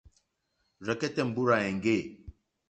Rzɛ̀kɛ́tɛ́ mbúrzà èŋɡê.